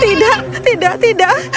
tidak tidak tidak